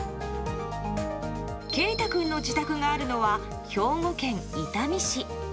景太君の自宅があるのは兵庫県伊丹市。